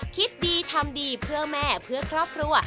คิดดีทำดีเพื่อแม่เพื่อครอบครัว